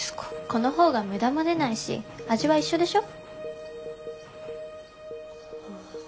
このほうが無駄も出ないし味は一緒でしょ？